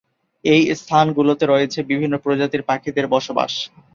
এই স্থানগুলোতে রয়েছে বিভিন্ন প্রজাতির পাখিদের বসবাস।